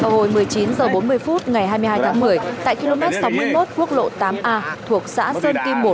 hồi một mươi chín h bốn mươi phút ngày hai mươi hai tháng một mươi tại km sáu mươi một quốc lộ tám a thuộc xã sơn kim một